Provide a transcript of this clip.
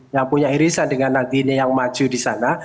yang punya irisan dengan nantinya yang maju di sana